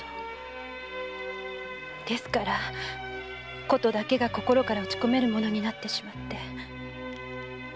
ですから琴だけが心から打ち込めるものになって。